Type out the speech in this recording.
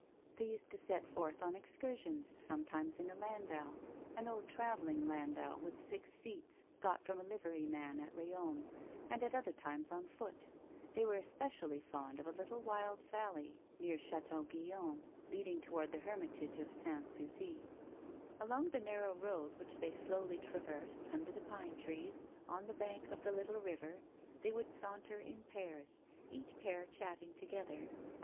They used to set forth on excursions sometimes in a landau, an old traveling landau with six seats, got from a livery man at Riom, and at other times on foot. They were especially fond of a little wild valley near Chatel Guyon, leading toward the hermitage of Sans Souci. Along the narrow road, which they slowly traversed, under the pine trees, on the bank of the little river, they would saunter in pairs, each pair chatting together.